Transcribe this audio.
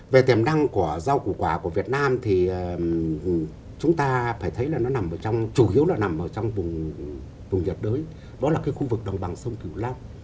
về tiềm năng của rau củ quả của việt nam thì chúng ta phải thấy là nó nằm trong chủ yếu là nằm trong vùng nhật đới đó là khu vực đồng bằng sông thủ lâm